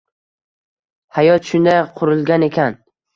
Hayot shunday qurilgan ekan.